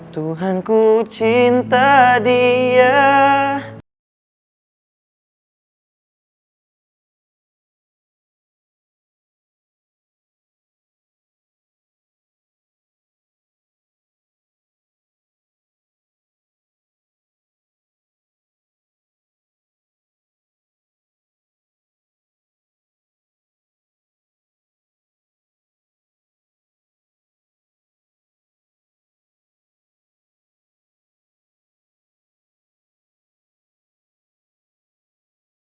tuhanku cinta dia